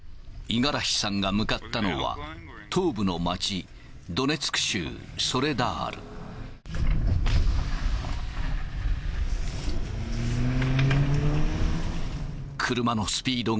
五十嵐さんが向かったのは、東部の街、ドネツク州ソレダール。